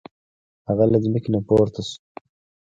هغه له ځمکې نه پورته شو.